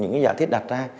những cái giả thiết đặt ra